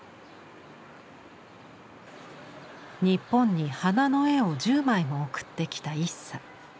日本に花の絵を１０枚も送ってきたイッサ。